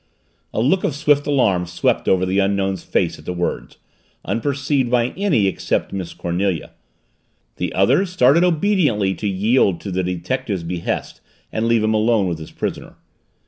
A look of swift alarm swept over the Unknown's face at the words, unperceived by any except Miss Cornelia. The others started obediently to yield to the detective's behest and leave him alone with his prisoner.